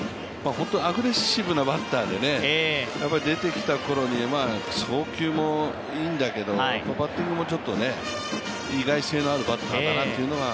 アグレッシブなバッターで出てきたころに送球もいいんだけどバッティングも意外性のあるバッターだなというのが